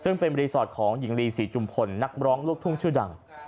ซึ่งเป็นรีสอร์ทของหญิงลีศรีจุมพลนักร้องลูกทุ่งชื่อดัง